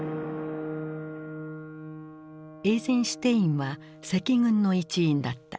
エイゼンシュテインは赤軍の一員だった。